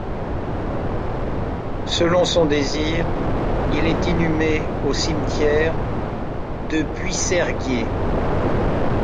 Selon son désir, il est inhumé au cimetière de Puisserguier.